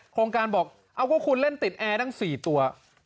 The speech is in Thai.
โครงการบอกเอาก็คุณเล่นติดแอร์ตั้ง๔ตัว